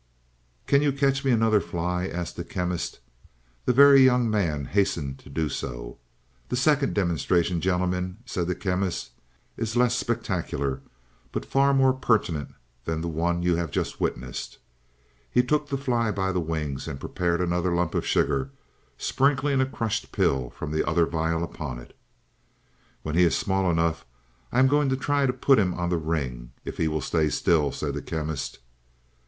"Can you catch me another fly?" asked the Chemist. The Very Young Man hastened to do so. "The second demonstration, gentlemen," said the Chemist, "is less spectacular, but far more pertinent than the one you have just witnessed." He took the fly by the wings, and prepared another lump of sugar, sprinkling a crushed pill from the other vial upon it. "When he is small enough I am going to try to put him on the ring, if he will stay still," said the Chemist.